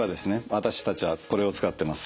私たちはこれを使ってます。